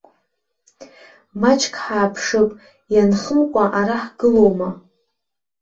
Маҷк ҳааԥшып, ианхымкәа, ара ҳгылоума!